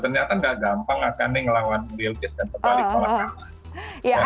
ternyata gak gampang akane ngelawan bilkis dan terbalik malah kapan